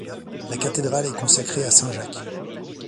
La cathédrale est consacrée à saint Jacques.